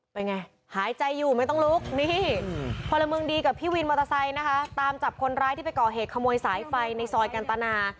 เป็นไงหายใจอยู่ไม่ต้องลุกนี่พลเมืองดีกับพี่วินมอเตอร์ไซค์นะคะตามจับคนร้ายที่ไปก่อเหตุขโมยสายไฟในซอยกันตนา